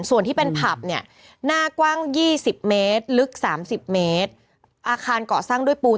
ส่วนที่เป็นผับเนี่ยหน้ากว้าง๒๐เมตรลึก๓๐เมตรอาคารเกาะสร้างด้วยปูน